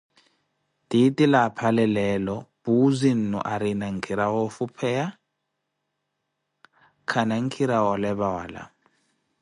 Titile aphale leelo Puuzi-nnu aarina nkhira woofupheya, khana nkhira woolepa wala.